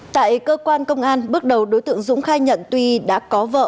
tại cơ quan công an bước đầu đối tượng dũng khai nhận tuy đã có vợ